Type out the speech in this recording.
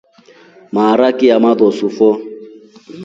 Maaraki ya amalosu fo.